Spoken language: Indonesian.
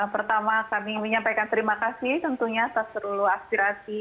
pertama kami menyampaikan terima kasih tentunya sastrulu aspirasi